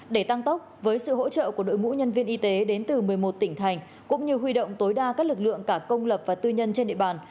để tăng tốc với sự hỗ trợ của đội ngũ nhân viên y tế đến từ một mươi một tỉnh thành cũng như huy động tối đa các lực lượng cả công lập và tư nhân trên địa bàn